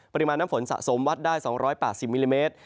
ปริมาณน้ำฝนสะสมวัดได้๒๘๐มิลลิเมตร